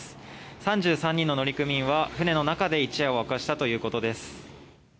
３３人の乗組員は船の中で一夜を明かしたということです。